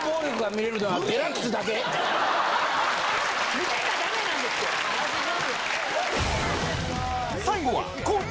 見せちゃダメなんですよ！